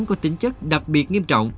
có tính chất đặc biệt nghiêm trọng